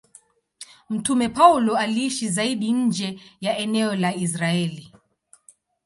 Mtume Paulo aliishi zaidi nje ya eneo la Israeli.